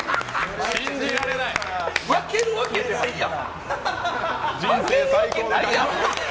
巻けるわけないやん。